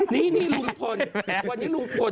นี่ลุงพลวันนี้ลุงพล